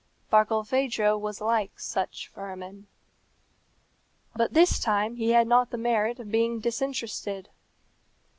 Barkilphedro was like such vermin. But this time he had not the merit of being disinterested.